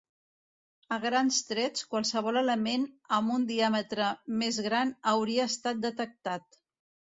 A grans trets, qualsevol element amb un diàmetre més gran hauria estat detectat.